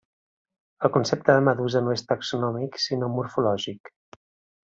El concepte de medusa no és taxonòmic sinó morfològic.